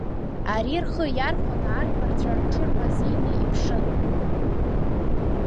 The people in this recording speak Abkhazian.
Ари рхы иархәаны, арԥарцәа рҽырмазеины иԥшын.